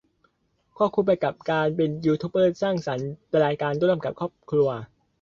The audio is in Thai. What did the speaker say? ควบคู่ไปกับการเป็นยูทูบเบอร์สร้างสรรค์รายการร่วมกับครอบครัว